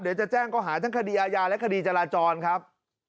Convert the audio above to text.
เดี๋ยวจะแจ้งก็หาทั้งคดีอาญาและคดีจราจรครับ